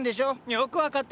よく分かったね！